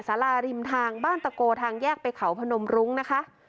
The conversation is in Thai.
สาราริมทางบ้านตะโกทางแยกไปเขาพนมรุ้งนะคะ